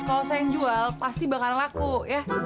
kalau saya yang jual pasti bakalan laku ya